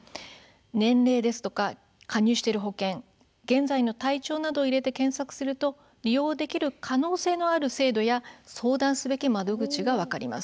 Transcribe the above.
年齢ですとか、加入している保険現在の体調などを入れて検索すると利用できる可能性のある制度や相談すべき窓口が分かります。